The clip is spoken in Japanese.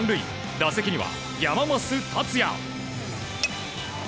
打席には山増達也。